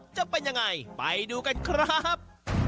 จะเป็นยังไงไปดูกันครับ